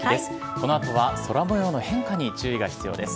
この後は空模様の変化に注意が必要です。